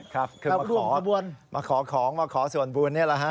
ครับคือมาขอของมาขอส่วนบุญนี่แหละฮะ